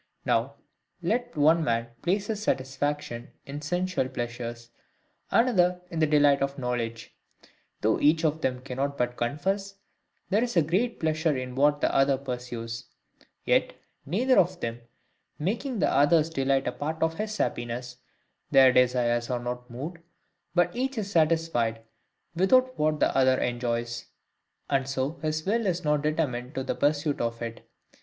Now, let one man place his satisfaction in sensual pleasures, another in the delight of knowledge: though each of them cannot but confess, there is great pleasure in what the other pursues; yet, neither of them making the other's delight a part of HIS happiness, their desires are not moved, but each is satisfied without what the other enjoys; and so his will is not determined to the pursuit of it.